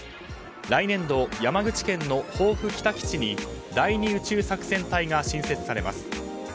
来年度、山口県の防府北基地に第２宇宙作戦隊が新設されます。